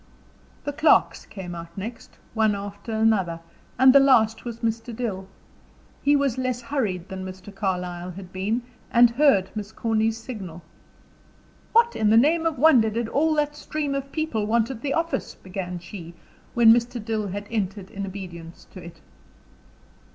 The clerks came out next, one after another; and the last was Mr. Dill. He was less hurried than Mr. Carlyle had been, and heard Miss Corny's signal. "What in the name of wonder, did all that stream of people want at the office?" began she, when Mr. Dill had entered in obedience to it.